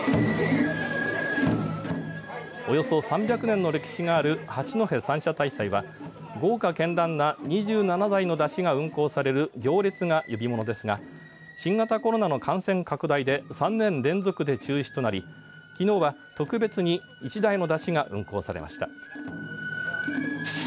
およそ３００年の歴史がある八戸三社大祭は豪華けんらんな２７台の山車が運行される行列が呼び物ですが新型コロナの感染拡大で３年連続で中止となりきのうは特別に１台の山車が運行されました。